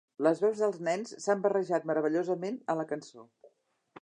Les veus dels nens s'han barrejat meravellosament a la cançó.